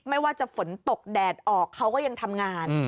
ไม่ว่าจะฝนตกแดดออกเขาก็ยังทำงาน